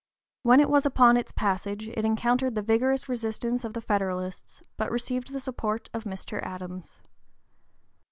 When it was upon its passage it encountered the vigorous resistance of the Federalists, but received the support of Mr. Adams.